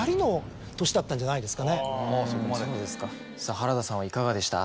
原田さんはいかがでした？